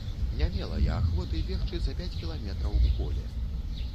Не мела я ахвоты бегчы за пяць кіламетраў у поле.